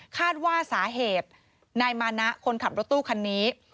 คาดว่าสาเหตุนายมานะคนขับรถตู้คันนี้